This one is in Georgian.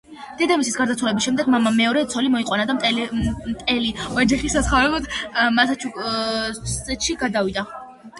დედამისის გარდაცვალების შემდეგ, მამამ მეორე ცოლი მოიყვანა და მტელი ოჯახი საცხოვრებლად მასაჩუსეტსში გადავიდა.